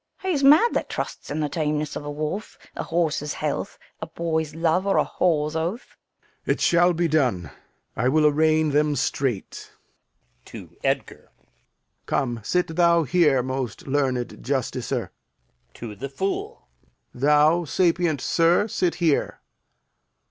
Fool. He's mad that trusts in the tameness of a wolf, a horse's health, a boy's love, or a whore's oath. Lear. It shall be done; I will arraign them straight. [To Edgar] Come, sit thou here, most learned justicer. [To the Fool] Thou, sapient sir, sit here.